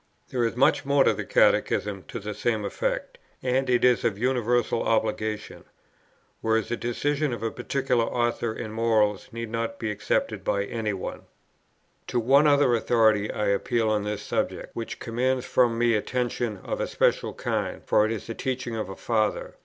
There is much more in the Catechism to the same effect, and it is of universal obligation; whereas the decision of a particular author in morals need not be accepted by any one. To one other authority I appeal on this subject, which commands from me attention of a special kind, for it is the teaching of a Father.